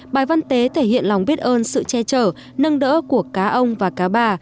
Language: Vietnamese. bài văn tế thể hiện lòng biết ơn sự che chở nâng đỡ của cá ông và cá bà